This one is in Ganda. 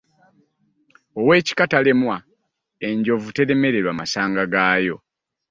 Ow'ekika talemwa ,enyonju teremererwa masanga gaayo .